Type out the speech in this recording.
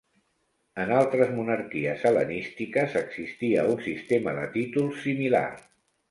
En altres monarquies hel·lenístiques existia un sistema de títols similar.